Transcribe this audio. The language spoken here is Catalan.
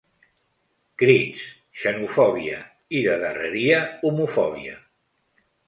Crits, xenofòbia i, de darreria, homofòbia.